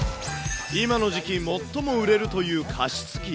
今の時期、最も売れるという加湿器。